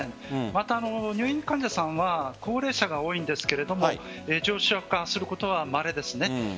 また、入院患者さんは高齢者が多いんですが重症化することはまれです。